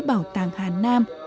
bảo tàng hà nam